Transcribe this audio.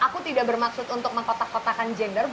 aku tidak bermaksud untuk mengkotak kotakan jenis jenis